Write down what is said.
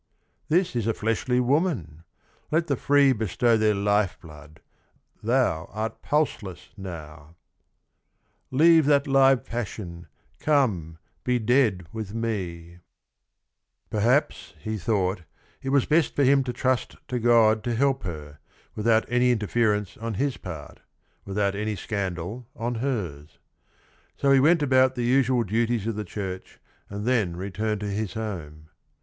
This is a fleshly woman, — let the free Bestow their life blood, thou art pulseless now I Leave that live passion, come be dead with me !'" 84 THE RING AND THE BOOK Perhaps, he thought, it was best for him to trust to God to help her, without any interference on his part, without any scandal on hers. So he went about the usual duties of the church, and then returned to his home.